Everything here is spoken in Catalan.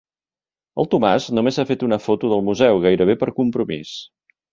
El Tomàs només ha fet una foto del museu, gairebé per compromís.